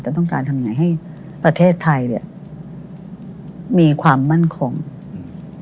แต่ต้องการทำไงให้ประเทศไทยเนี้ยมีความมั่นคงอืม